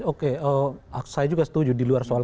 oke saya juga setuju di luar soal